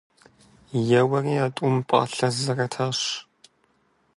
Еуэри а тӀум пӀалъэ зэрэтащ.